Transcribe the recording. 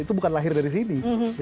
itu bukan lahir dari sini